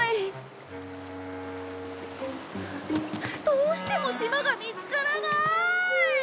どうしても島が見つからない！